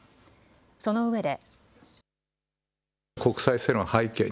そのうえで。